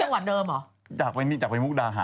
ผมอย่ากไปอีกแล้วเนี่ย